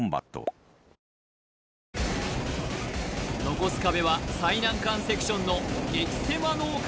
残す壁は最難関セクションの激狭脳か